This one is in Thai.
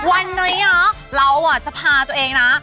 วันนี้โอ้เราจะพาตัวเองร้า